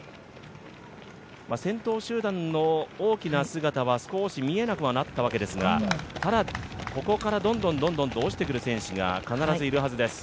先頭集団の大きな姿は少し見えなくはなったわけですがただ、ここからどんどんと落ちてくる選手が必ずいるはずです。